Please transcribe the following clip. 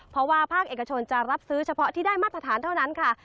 เพราะว่าภาคเอกชนจะรับซื้อเฉพาะที่ได้มาตรฐานเท่านั้นค่ะ